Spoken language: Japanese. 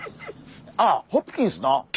ああホプキンスな。